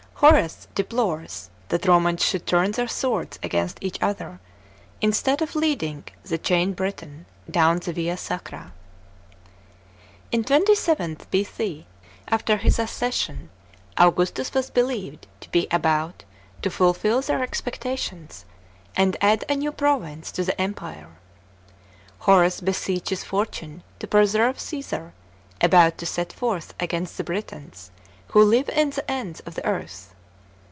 * Horace deplores that Romans should turn their swords against each other, instead of lea 'ing the "chained Briton" down the Via Sacra, f In 27 B.C., after his accession, Augustus was believed to be about to fulfil their expectations, and a«ld a new province to the Empire. Horace beseeches Fortune to preserve Caesar, about to set forth against the Britons who live in the ends of the earth.